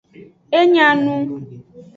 E nya nu.